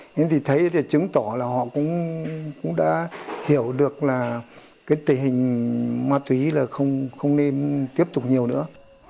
nhưng thì thấy thì chứng tỏ là họ cũng đã hiểu được là cái tình hình ma túy là không nên tiếp tục nhiều nữa